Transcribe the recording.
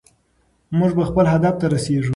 موږ به خپل هدف ته رسیږو.